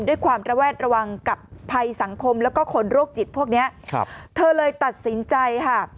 ด้วยความระแวดระวังกับภัยสังคมแล้วก็คนโรคจิตพวกเนี้ยครับเธอเลยตัดสินใจค่ะ